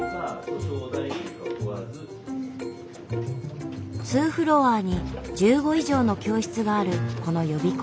２フロアに１５以上の教室があるこの予備校。